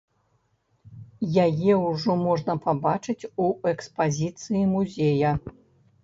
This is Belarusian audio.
Яе ўжо можна пабачыць у экспазіцыі музея.